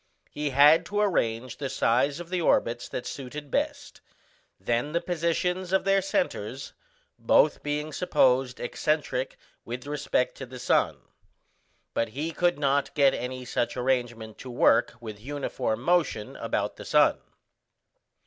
He had to arrange the size of the orbits that suited best, then the positions of their centres, both being supposed excentric with respect to the sun; but he could not get any such arrangement to work with uniform motion about the sun.